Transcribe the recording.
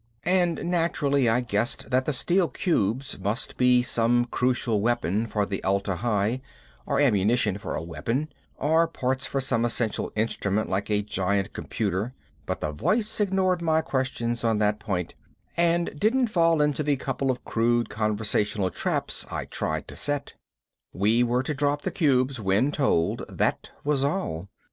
And naturally I guessed that the steel cubes must be some crucial weapon for Atla Hi, or ammunition for a weapon, or parts for some essential instrument like a giant computer, but the voice ignored my questions on that point and didn't fall into the couple of crude conversational traps I tried to set. We were to drop the cubes when told, that was all.